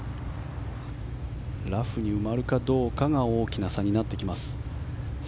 ラフに埋まるかどうかが大きな差になってきます。